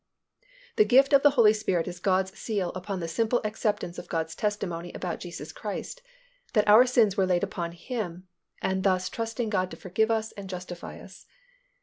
The gift of the Holy Spirit is God's seal upon the simple acceptance of God's testimony about Jesus Christ, that our sins were laid upon Him, and thus trusting God to forgive us and justify us.